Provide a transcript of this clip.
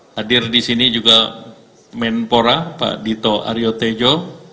hadir di sini juga menpora pak dito aryo tejo